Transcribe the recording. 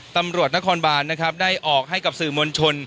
ตำรวจนครบานนะครับได้ออกให้กับสื่อมวลชน